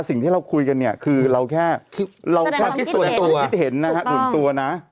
สิ่งที่เราคุยกันเนี่ยคือเราแค่เราแค่คิดส่วนตัวคิดเห็นนะฮะส่วนตัวนะ